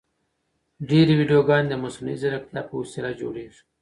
ډېرې ویډیوګانې د مصنوعي ځیرکتیا په وسیله جوړیږي.